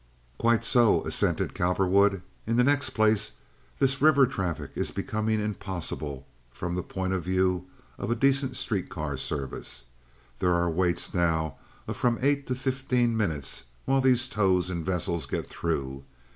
"Quite so," assented Cowperwood. "In the next place, this river traffic is becoming impossible from the point of view of a decent street car service. There are waits now of from eight to fifteen minutes while these tows and vessels get through.